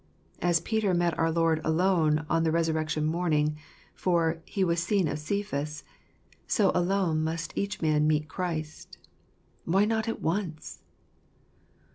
As Peter met our Lord alone on the resurrection morning, for " He was seen of Cephas "— so alone must each man meet Christ. Why not at once